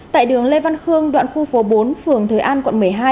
tại đường lê văn khương đoạn khu phố bốn phường thới an quận một mươi hai